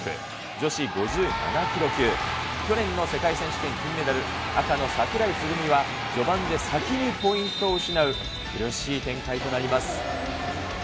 女子５７キロ級、去年の世界選手権金メダル、赤の櫻井つぐみは、序盤で先にポイントを失う苦しい展開となります。